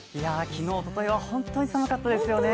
昨日、おとといは本当に寒かったですよね。